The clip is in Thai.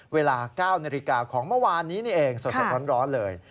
เวลา๙นาฬิกาของเมื่อวานนี้นี่เองสดร้อนเลย